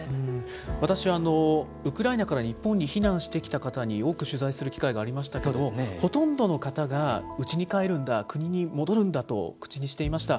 私はウクライナから日本に避難してきた方に多く取材する機会がありましたけど、ほとんどの方が、うちに帰るんだ、国に戻るんだと口にしていました。